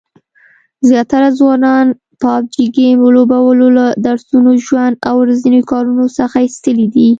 زیاتره ځوانان پابجي ګیم لوبولو له درسونو، ژوند او ورځنیو کارونو څخه ایستلي دي